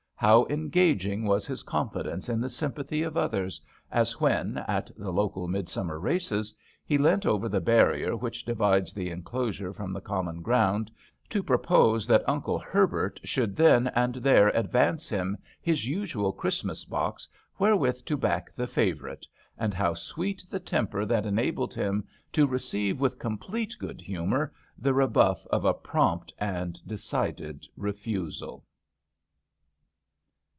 How engaging was his confidence in the sympathy of others, as when, at the local midsummer races, he leant over the barrier which divides the enclosure from the common ground to propose that Uncle Herbert should then and there advance him his usual Christmas box wherewith to back the favourite, and how sweet the temper that enabled him to receive with complete good humour the rebuflF of a prompt and decided refusal